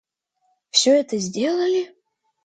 Всё это сделали?